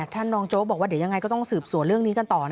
รองโจ๊กบอกว่าเดี๋ยวยังไงก็ต้องสืบสวนเรื่องนี้กันต่อ